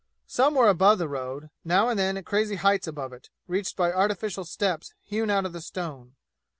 Some were above the road, now and then at crazy heights above it, reached by artificial steps hewn out of the stone.